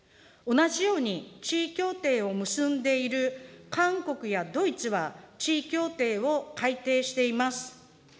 同じように地位協定を結んでいる韓国やドイツは、地位協定を改定しています。